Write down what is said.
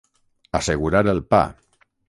Assegurar el pa.